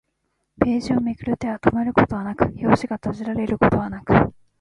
ページをめくる手は止まることはなく、表紙が閉じられることはなく